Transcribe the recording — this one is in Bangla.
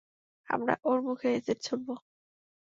আমরা ওর মুখে এসিড ছুঁড়বো।